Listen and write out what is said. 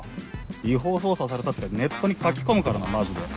「違法捜査された」ってネットに書き込むからなマジで。